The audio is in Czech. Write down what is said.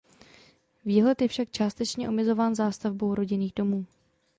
Výhled je však částečně omezován zástavbou rodinných domů.